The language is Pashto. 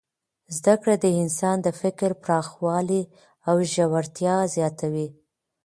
زده کړه د انسان د فکر پراخوالی او ژورتیا زیاتوي.